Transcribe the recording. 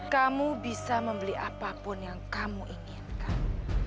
kamu bisa membeli apapun yang kamu inginkan